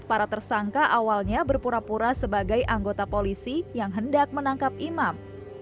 para tersangka awalnya berpura pura sebagai anggota polisi yang hendak menangkap imam